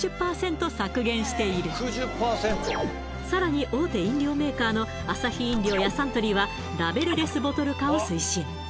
さらに大手飲料メーカーのアサヒ飲料やサントリーは化を推進